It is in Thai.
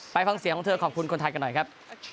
ฟังเสียงของเธอขอบคุณคนไทยกันหน่อยครับ